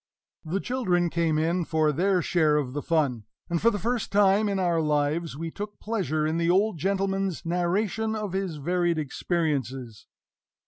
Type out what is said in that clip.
The children came in for their share of the fun; and for the first time in our lives we took pleasure in the old gentleman's narration of his varied experiences.